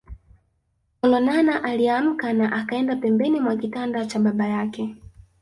Olonana aliamka na akaenda pembeni mwa kitanda cha baba yake